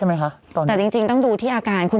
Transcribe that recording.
อาการสังคมของตัวเองหรือว่าบาททอง